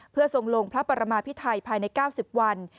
เพื่อทรงลงพระปรมาพิไทยภายใน๙๐วัน